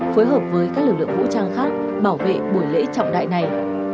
phối hợp với các lực lượng vũ trang khác bảo vệ buổi lễ trọng đại này